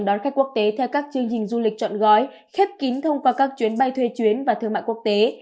đón khách quốc tế theo các chương trình du lịch trọn gói khép kín thông qua các chuyến bay thuê chuyến và thương mại quốc tế